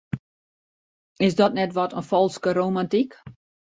Is dat net wat in falske romantyk?